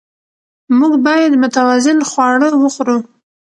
موږ باید متوازن خواړه وخورو